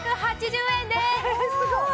すごい！